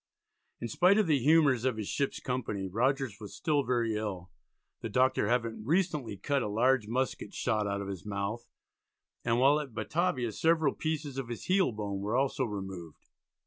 In spite of the humours of his ship's company Rogers was still very ill, the doctor having recently cut a large musket shot out of his mouth, and while at Batavia several pieces of his heel bone were also removed.